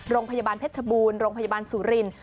โรงพยาบาลเพชรบูรณ์โรงพยาบาลสุรินทร์